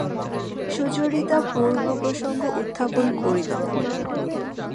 সুচরিতা পূর্বপ্রসঙ্গ উত্থাপন করিল না।